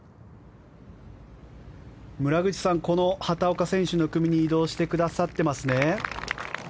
村口さん、この畑岡選手の組に移動してくださってますね？